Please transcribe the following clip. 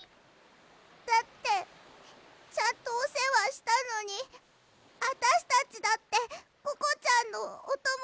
だってちゃんとおせわしたのにあたしたちだってココちゃんのおともだちなのに。